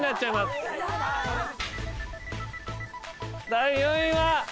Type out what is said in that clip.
第４位は？